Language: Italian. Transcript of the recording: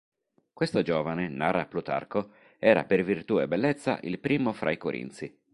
Questo giovane, narra Plutarco, era per virtù e bellezza il primo fra i corinzi.